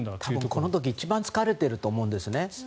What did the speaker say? この時一番疲れていると思うんですね。